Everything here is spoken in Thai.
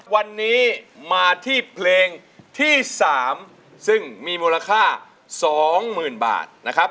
วันนี้มาที่เพลงที่สามซึ่งมีมูลค่าสองหมื่นบาทนะครับ